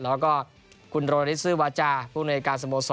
แล้วก็คุณโรนทิศวาจาผู้นวยการสโมสร